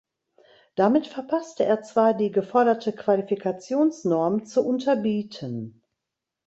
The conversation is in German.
Damit verpasste er zwar die geforderte Qualifikationsnorm zu unterbieten.